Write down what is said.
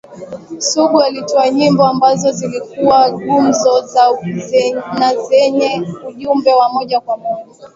Sugu alitoa nyimbo ambazo zilikuwa gumzo na zenye ujumbe wa moja kwa moja